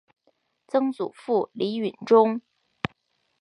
曾祖父李允中。